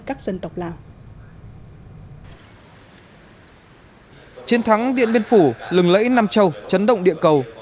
các dân tộc lào chiến thắng điện biên phủ lừng lẫy nam châu chấn động địa cầu